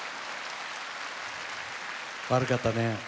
悪かったね。